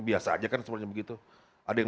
biasa aja kan sebenarnya begitu ada yang